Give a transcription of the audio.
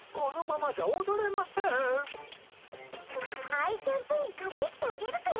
アイちゃんプリン買ってきてあげるからさ